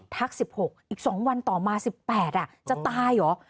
ทัก๑๖อีก๒วันต่อมา๑๘จะตายเหรอ